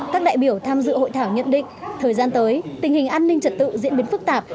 các đại biểu tham dự hội thảo nhận định thời gian tới tình hình an ninh trật tự diễn biến phức tạp